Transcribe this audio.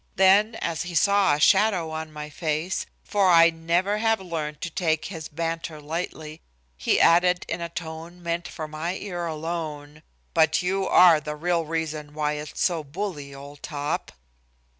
Then as he saw a shadow on my face, for I never have learned to take his banter lightly, he added in a tone meant for my ear alone: "But you are the real reason why it's so bully, old top."